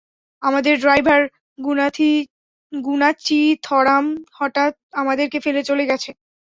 আমাদের ড্রাইভার গুনাচিথরাম হঠাৎ আমাদেরকে ফেলে চলে গেছে।